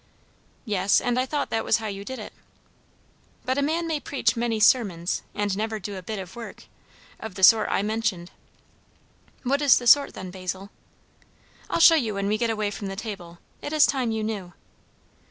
"Yes, and I thought that was how you did it." "But a man may preach many sermons, and do never a bit of work, of the sort I mentioned." "What is the sort, then, Basil?" "I'll show you when we get away from the table. It is time you knew."